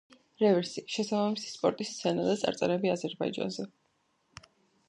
რევერსი: შესაბამისი სპორტის სცენა და წარწერები აზერბაიჯანზე.